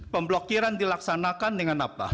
pemblokiran dilaksanakan dengan apa